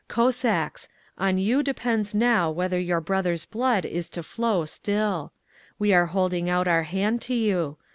"Cossacks! On you depends now whether your brothers' blood is to flow still. We are holding out our hand to you.